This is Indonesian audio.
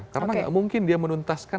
karena gak mungkin dia menuntaskan